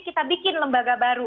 kita bikin lembaga baru